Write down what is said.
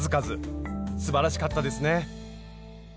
すばらしかったですね。